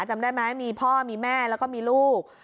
จำได้ไหมมีพ่อมีแม่แล้วก็มีลูก